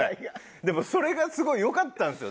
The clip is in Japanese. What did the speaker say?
でもそれがすごいよかったんですよ。